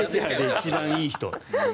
一番いい人。